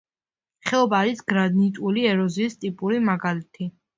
ხეობა არის გრანიტული ეროზიის ტიპური მაგალითი.